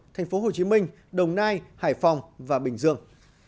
thành phố hồ chí minh đồng nai hải phòng và bình dương